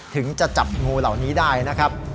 ถึงจะจับงูเหล่านี้ได้นะครับ